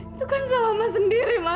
itu kan salah mas sendiri mas